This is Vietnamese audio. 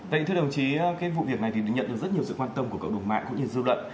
vậy thưa đồng chí cái vụ việc này thì nhận được rất nhiều sự quan tâm của cộng đồng mạng cũng như dư luận